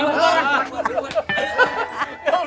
ya lu lihat kum